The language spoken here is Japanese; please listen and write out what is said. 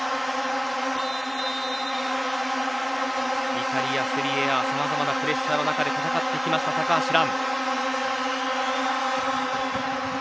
イタリア、セリエＡさまざまなプレッシャーの中で戦ってきました、高橋藍。